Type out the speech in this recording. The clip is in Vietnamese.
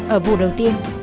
ở vụ đầu tiên